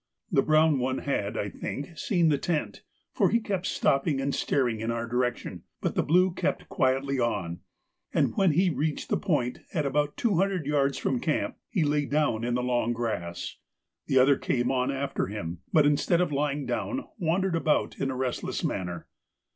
The brown one had, I think, seen the tent, for he kept stopping and staring in our direction, but the blue kept quietly on, and when he reached the point at about two hundred yards from the camp, he lay down in the long grass. The other came on after him, but, instead of lying down, wandered about in a restless manner.